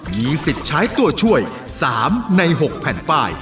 มีสิทธิ์ใช้ตัวช่วย๓ใน๖แผ่นป้าย